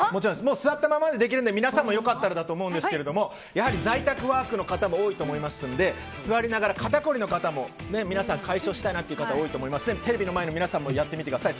座ったままでできるので皆さんも良かったらと思いますがやはり在宅ワークの方も多いと思いますので座りながら肩こりの方も解消したいなという方も多いと思うのでテレビの前の皆さんもやってみてください。